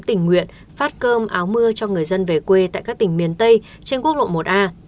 tình nguyện phát cơm áo mưa cho người dân về quê tại các tỉnh miền tây trên quốc lộ một a